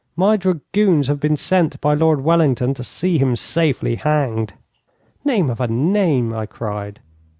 My dragoons have been sent by Lord Wellington to see him safely hanged.' 'Name of a name!' I cried.